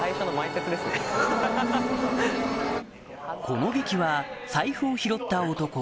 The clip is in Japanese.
この劇は「財布を拾った男」